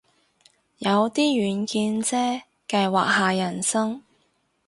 有啲遠見啫，計劃下人生